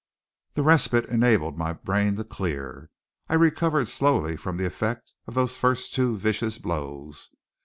The respite enabled my brain to clear. I recovered slowly from the effect of those first two vicious blows.